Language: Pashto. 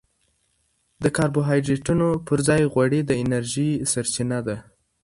د کاربوهایډریټونو پر ځای غوړي د انرژي سرچینه کېږي.